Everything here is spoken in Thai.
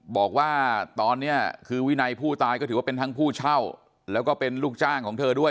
บอกว่าตอนนี้คือวินัยผู้ตายก็ถือว่าเป็นทั้งผู้เช่าแล้วก็เป็นลูกจ้างของเธอด้วย